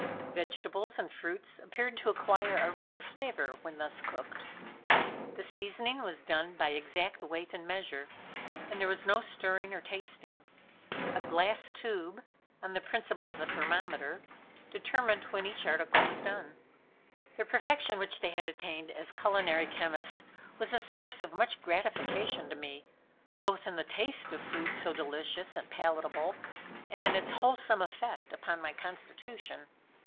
Vegetables and fruits appeared to acquire a richer flavor when thus cooked. The seasoning was done by exact weight and measure, and there was no stirring or tasting. A glass tube, on the principle of a thermometer, determined when each article was done. The perfection which they had attained as culinary chemists was a source of much gratification to me, both in the taste of food so delicious and palatable, and in its wholesome effect on my constitution.